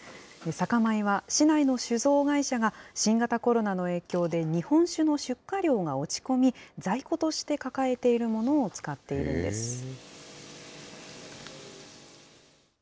酒米は市内の酒造会社が、新型コロナの影響で日本酒の出荷量が落ち込み、在庫として抱えているものを使っているんです。